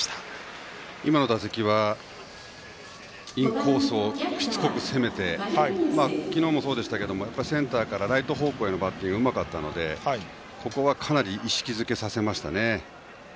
今の打席はインコースをしつこく攻めて昨日もそうでしたけどセンターからライト方向へのバッティングがうまかったので、ここはかなり意識づけさせましたね。